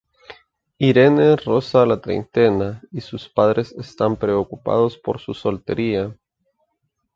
Irene roza la treintena y sus padres están preocupados por su soltería.